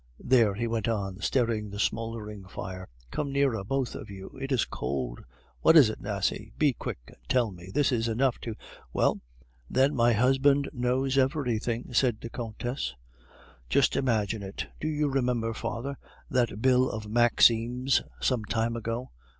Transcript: "There," he went on, stirring the smouldering fire, "come nearer, both of you. It is cold. What is it, Nasie? Be quick and tell me, this is enough to " "Well, then, my husband knows everything," said the Countess. "Just imagine it; do you remember, father, that bill of Maxime's some time ago?